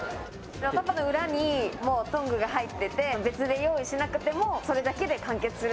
裏にトングが入ってて別に用意しなくても、それだけで完結する。